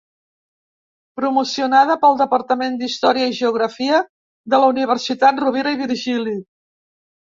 Promocionada pel departament d'Història i Geografia de la Universitat Rovira i Virgili.